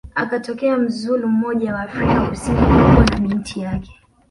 akatokea mzulu mmoja wa Afrika kusini aliyekuwa na binti yake